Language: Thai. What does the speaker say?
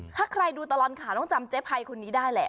ถ้าใครดูตลอดข่าวต้องจำเจ๊ภัยคนนี้ได้แหละ